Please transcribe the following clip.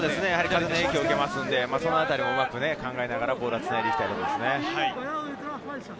風の影響を受けますので、そこをうまく考えながらボールをつないでいきたいですね。